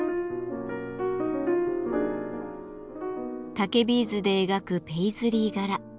竹ビーズで描くペイズリー柄。